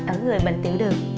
ở người bệnh tiểu đường